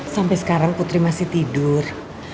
sampai sekarang putri masih tidur